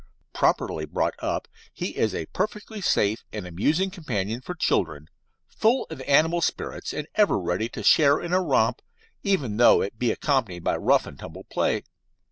Properly brought up, he is a perfectly safe and amusing companion for children, full of animal spirits, and ever ready to share in a romp, even though it be accompanied by rough and tumble play.